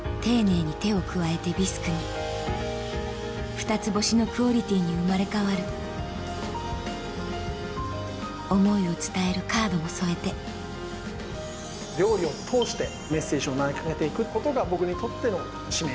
２つ星のクオリティーに生まれ変わる思いを伝えるカードも添えて料理を通してメッセージを投げ掛けて行くことが僕にとっての使命。